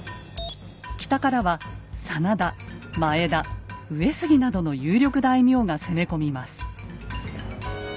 北からは真田前田上杉などの有力大名が攻め込みます。